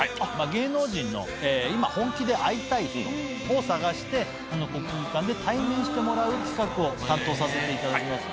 芸能人の「今本気で会いたい人」を探して国技館で対面してもらう企画を担当させていただきます。